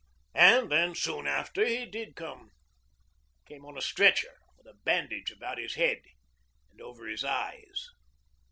And then, soon after, he did come came on a stretcher with a bandage about his head and over his eyes.